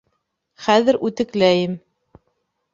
Хәҙер үтекләйем.